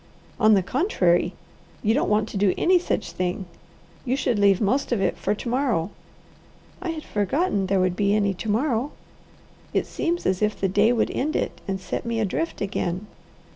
"On the contrary, you don't want to do any such thing you should leave most of it for to morrow." "I had forgotten there would be any to morrow. It seems as if the day would end it and set me adrift again."